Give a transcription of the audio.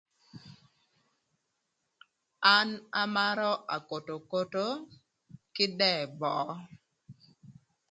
An amarö akotokoto kï dëë böö.